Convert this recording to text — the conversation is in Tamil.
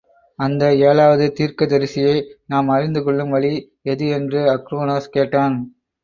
அந்த ஏழாவது தீர்க்க தரிசியை நாம் அறிந்து கொள்ளும் வழி எது? என்று அக்ரோனோஸ் கேட்டான்.